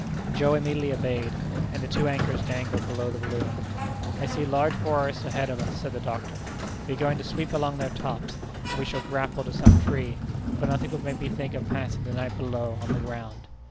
Joe immediately obeyed, and the two anchors dangled below the balloon. "I see large forests ahead of us," said the doctor; "we are going to sweep along their tops, and we shall grapple to some tree, for nothing would make me think of passing the night below, on the ground."